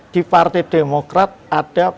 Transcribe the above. di partai demokrat ada